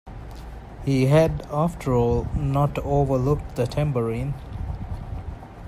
He had after all not overlooked the tambourine.